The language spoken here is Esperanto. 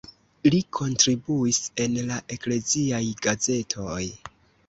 Li kontribuis en la ekleziaj gazetoj.